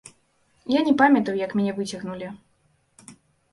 Я не памятаю, як мяне выцягнулі.